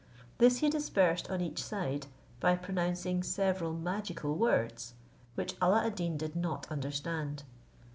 This he dispersed on each side, by pronouncing several magical words which Alla ad Deen did not understand.